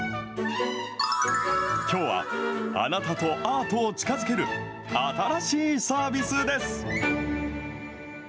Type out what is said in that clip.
きょうは、あなたとアートを近づける新しいサービスです。